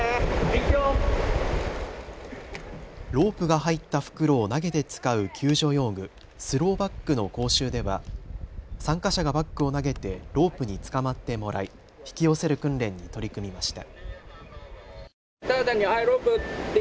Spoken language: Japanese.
ロープが入った袋を投げて使う救助用具、スローバッグの講習では参加者がバッグを投げてロープにつかまってもらい引き寄せる訓練に取り組みました。